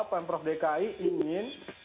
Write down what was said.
pemprov dki ingin